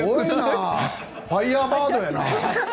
ファイヤーバードやな。